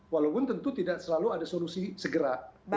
walaupun tentu tidak selalu ada solusi segera